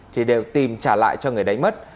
thì đều tìm trả lại cho người đánh mất